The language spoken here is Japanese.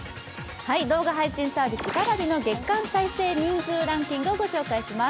動画配信サービスＰａｒａｖｉの月間再生人数ランキングを御紹介します。